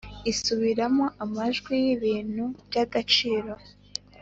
isubiramo amajwi y'ibintu by'agaciro;